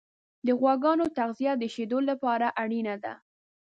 د غواګانو تغذیه د شیدو لپاره اړینه ده.